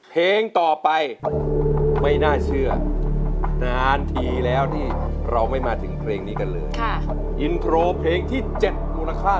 เพลงต่อไปไม่น่าเชื่อนานทีแล้วนี่เราไม่มาถึงเพลงนี้กันเลยอินโทรเพลงที่๗มูลค่า